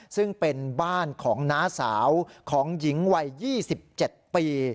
ซึ่งเป็นบ้านของน้าสาวของหญิงวัย๒๗ปี